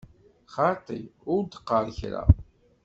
Xaṭi, ur d-qqar kra!